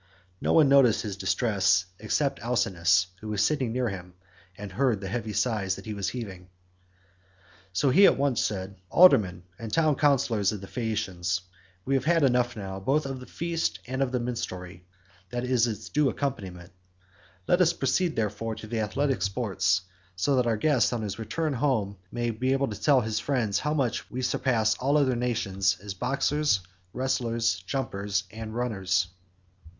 No one noticed his distress except Alcinous, who was sitting near him, and heard the heavy sighs that he was heaving. So he at once said, "Aldermen and town councillors of the Phaeacians, we have had enough now, both of the feast, and of the minstrelsy that is its due accompaniment; let us proceed therefore to the athletic sports, so that our guest on his return home may be able to tell his friends how much we surpass all other nations as boxers, wrestlers, jumpers, and runners."